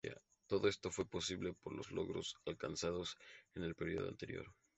Todo esto fue posible por los logros alcanzados en el período anterior.